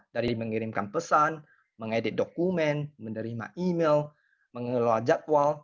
dari mengirimkan pesan mengedit dokumen menerima email mengelola jadwal